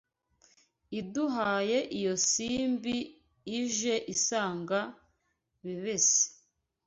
Iduhaye iyo Simbi Ije isanga Bebesi